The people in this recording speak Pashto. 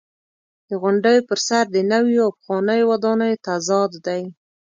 د غونډیو پر سر د نویو او پخوانیو ودانیو تضاد دی.